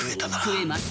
食えます。